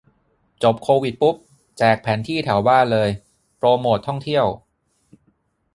จบโควิดปุ๊บแจกแผนที่แถวบ้านเลย โปรโมตท่องเที่ยว